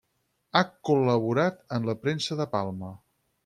Ha col·laborat en la premsa de Palma.